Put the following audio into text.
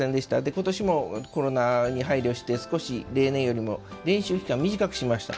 今年もコロナに配慮して少し、例年よりも練習期間を短くしました。